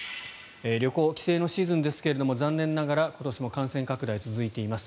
旅行、帰省のシーズンですが残念ながら今年も感染拡大が続いています。